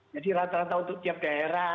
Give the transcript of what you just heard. jadi rata rata untuk tiap daerah